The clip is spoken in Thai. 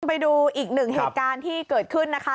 ไปดูอีกหนึ่งเหตุการณ์ที่เกิดขึ้นนะคะ